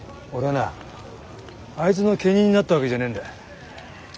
俺はなあいつの家人になったわけじゃねえんだ。